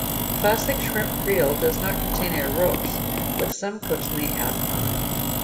Classic shrimp creole does not contain a roux, but some cooks may add one.